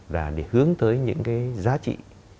là để hướng tới những cái giá trị